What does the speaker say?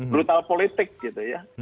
brutal politik gitu ya